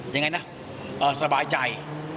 ยังไงนะสบายใจ